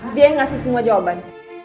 dia yang ngasih semua jawaban